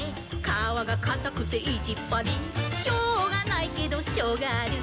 「かわがかたくていじっぱり」「しょうがないけどショウガある」